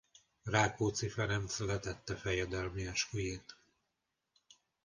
Rákóczi Ferenc letette fejedelmi esküjét.